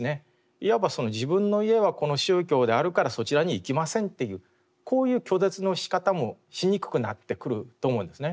いわば自分の家はこの宗教であるからそちらに行きませんっていうこういう拒絶のしかたもしにくくなってくると思うんですね。